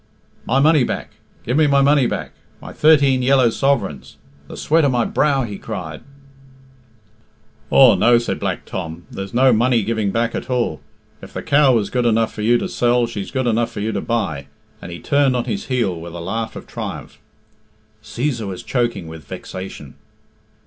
My money back! Give me my money back my thirteen yellow sovereigns the sweat of my brow!" he cried. "Aw, no," said Black Tom. "There's no money giving back at all. If the cow was good enough for you to sell, she's good enough for you to buy," and he turned on his heel with a laugh of triumph. Cæsar was choking with vexation.